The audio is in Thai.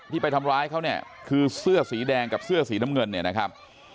ไปทำร้ายเขาเนี่ยคือเสื้อสีแดงกับเสื้อสีน้ำเงินเนี่ยนะครับ